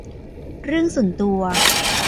เรื่องส่วนตัว